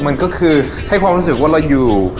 มันก็คือให้ความรู้สึกว่าเราอยู่